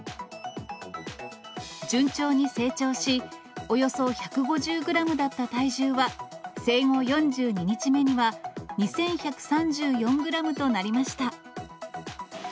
順調に成長し、およそ１５０グラムだった体重は、生後４２日目には２１３４グラムとなりました。